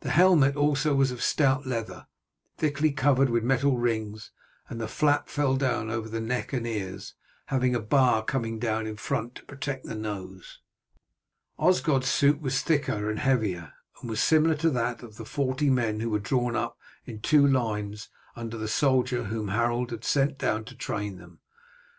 The helmet, also, was of stout leather, thickly covered with metal rings, and the flap fell down over the neck and ears, having a bar coming down in front to protect the nose. Osgod's suit was thicker and heavier, and was similar to that of the forty men who were drawn up in two lines under the soldier whom Harold had sent down to train them.